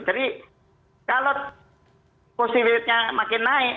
jadi kalau positivity rate nya makin naik